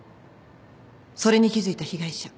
それに気付いた被害者。